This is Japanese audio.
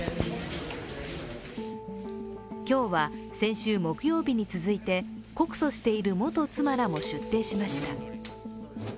今日は先週木曜日に続いて、告訴している元妻らも出廷しました。